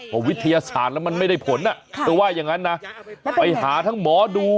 วิทยาศาสตร์แล้วมันไม่ได้ผลเธอว่าอย่างนั้นนะไปหาทั้งหมอดู